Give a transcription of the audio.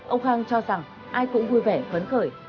ông khang cho rằng ai cũng vui vẻ khấn cởi